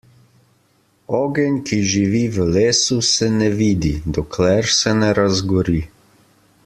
Ogenj, ki živi v lesu, se ne vidi, dokler se ne razgori.